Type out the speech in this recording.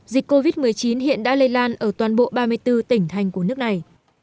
dịch covid một mươi chín hiện đã lây lan ở toàn bộ ba mươi bốn tỉnh thành của nước này